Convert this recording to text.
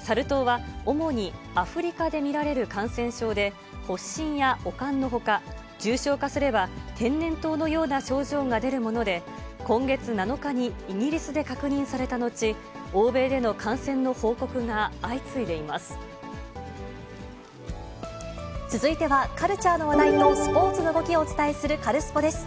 サル痘は、主にアフリカで見られる感染症で、発疹や悪寒のほか、重症化すれば、天然痘のような症状が出るもので、今月７日にイギリスで確認された後、欧米での感染の報告が相次い続いては、カルチャーの話題とスポーツの動きをお伝えする、カルスポっ！です。